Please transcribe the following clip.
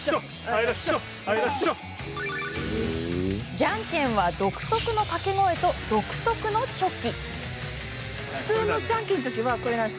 じゃんけんは独特の掛け声と独特のチョキ。